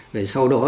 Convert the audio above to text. rồi sau đó